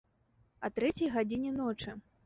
А трэцяй гадзіне ночы!